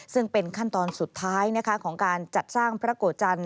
ซึ่งเป็นขั้นตอนสุดท้ายของการจัดสร้างพระโกจันท